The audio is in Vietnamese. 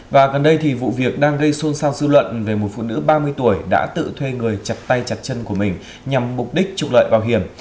và gần đây thì vụ việc đang gây xôn xao dư luận về một phụ nữ ba mươi tuổi đã tự thuê người chặt tay chặt chân của mình nhằm mục đích trục lợi bảo hiểm